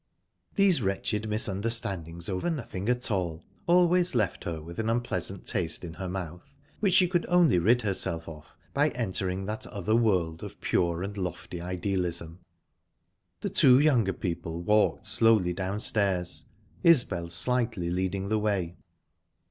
These wretched misunderstandings over nothing at all always left her with an unpleasant taste in her mouth, which she could only rid herself of by entering that other world of pure and lofty idealism. The two younger people walked slowly downstairs, Isbel slightly leading the way.